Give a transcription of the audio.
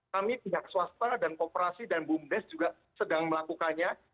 kami pihak swasta dan kooperasi dan bumdes juga sedang melakukannya